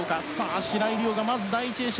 白井璃緒、まず第１泳者